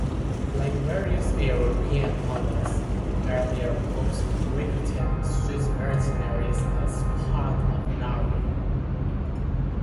Like various European powers, earlier Popes recruited Swiss mercenaries as part of an army.